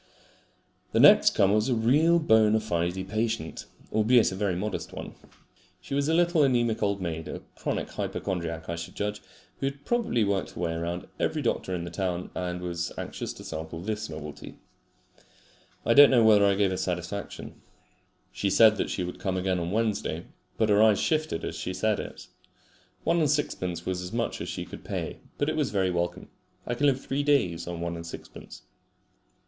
The next comer was a real bona fide patient, albeit a very modest one. She was a little anaemic old maid, a chronic hypochondriac I should judge, who had probably worked her way round every doctor in the town, and was anxious to sample this novelty. I don't know whether I gave her satisfaction. She said that she would come again on Wednesday, but her eyes shifted as she said it. One and sixpence was as much as she could pay, but it was very welcome. I can live three days on one and sixpence.